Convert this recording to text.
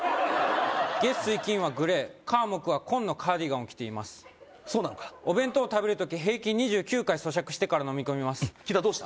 月水金はグレー火木は紺のカーディガンを着ていますそうなのかお弁当を食べる時平均２９回そしゃくしてから飲み込みますキダどうした？